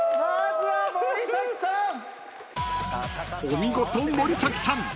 ［お見事森崎さん！］